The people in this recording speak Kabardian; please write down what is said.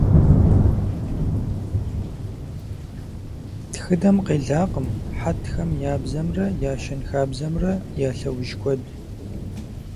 Тхыдэм къелакъым хьэтхэм я бзэмрэ я щэнхабзэмрэ я лъэужь куэд.